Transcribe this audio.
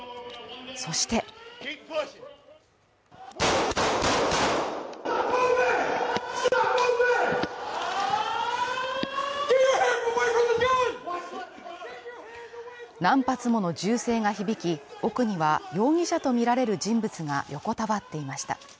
そして何発もの銃声が響き、奥には、容疑者とみられる人物が横たわっていました。